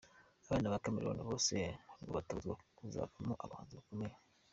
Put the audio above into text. Abana ba Chameleone bose na bo batozwa kuzavamo abahanzi bakomeye.